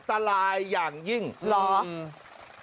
ในฐานะที่ผมเคยทำงานทำข่าวบนเฮลิคอปเตอร์ผมบอกเลยว่าอันตรายอย่างยิ่ง